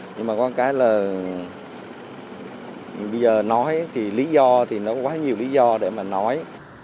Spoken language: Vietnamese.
nhưng mà có cái là bây giờ nói thì lý do thì nó quá nhiều lý do để mà nói